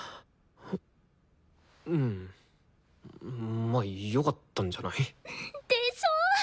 うんまあよかったんじゃない？でしょ！